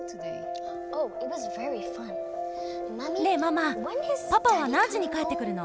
ねえママパパは何時に帰ってくるの？